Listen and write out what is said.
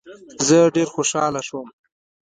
زه ډېر خوشاله شوم.